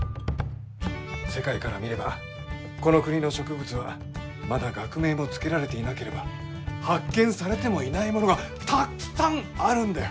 世界から見ればこの国の植物はまだ学名も付けられていなければ発見されてもいないものがたっくさんあるんだよ！